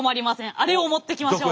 あれを持ってきましょう。